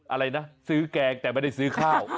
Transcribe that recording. อะไรนะซื้อแกงแต่ไม่ได้ซื้อข้าว